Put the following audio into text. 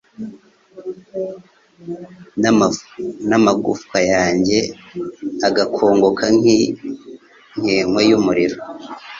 n’amagufwa yanjye agakongoka nk’inkekwe y’umuriro